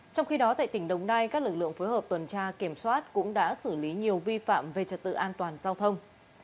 trong khi đó tại tỉnh đồng nai các lực lượng phối hợp tuần tra kiểm soát cũng đã xử lý nhiều vi phạm về trật tự an toàn giao thông